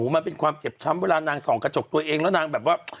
มันเป็นความเจ็บช้ำเวลานางส่องกระจกตัวเองแล้วนางแบบว่า